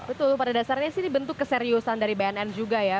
betul pada dasarnya sih ini bentuk keseriusan dari bnn juga ya